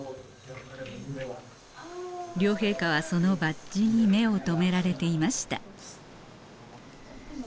両陛下はそのバッジに目を留められていました